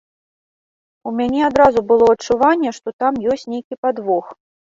У мяне адразу было адчуванне, што там ёсць нейкі падвох.